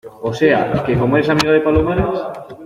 o sea, que como eres amiga de Palomares